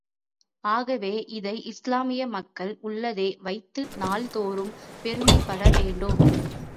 ஆகவே, இதை இஸ்லாமிய மக்கள் உள்ளத்தே வைத்து நாள் தோறும் பெருமைப்பட வேண்டும்.